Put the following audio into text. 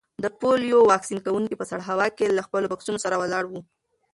د پولیو واکسین کونکي په سړه هوا کې له خپلو بکسونو سره ولاړ وو.